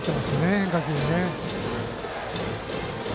変化球にね。